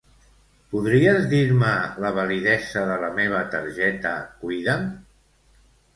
Podries dir-me la validesa de la meva targeta Cuida'm?